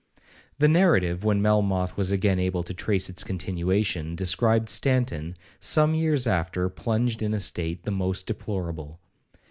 The narrative, when Melmoth was again able to trace its continuation, described Stanton, some years after, plunged in a state the most deplorable.